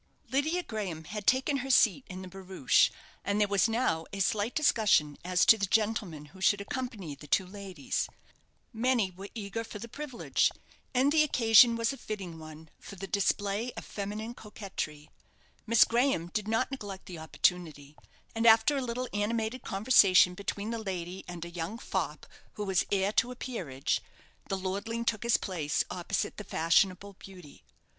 Lydia Graham had taken her seat in the barouche, and there was now a slight discussion as to the gentlemen who should accompany the two ladies. Many were eager for the privilege, and the occasion was a fitting one for the display of feminine coquetry. Miss Graham did not neglect the opportunity; and after a little animated conversation between the lady and a young fop who was heir to a peerage, the lordling took his place opposite the fashionable beauty.